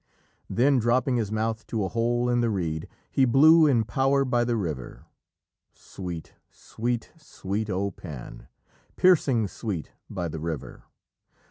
Then, dropping his mouth to a hole in the reed, He blew in power by the river. Sweet, sweet, sweet, O Pan! Piercing sweet by the river!